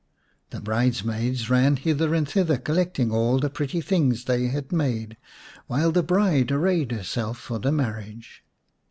The bridesmaids ran hither and thither collect ing all the pretty things they had made, while the bride arrayed herself for the marriage.